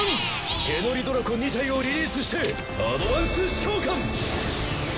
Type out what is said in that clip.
手乗りドラコ２体をリリースしてアドバンス召喚！